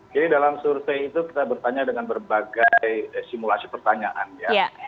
jadi dalam survei itu kita bertanya dengan berbagai simulasi pertanyaan ya